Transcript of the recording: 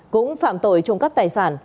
cũng phạm tội trộm cắp tài sản